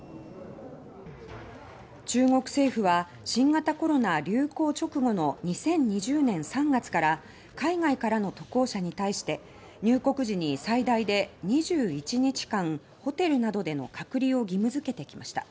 中国政府は新型コロナ流行直後の２０２０年３月から海外からの渡航者に対して入国時に最大で２１日間ホテルなどでの隔離を義務付けてきました。